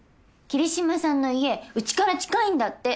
桐島さんの家うちから近いんだって。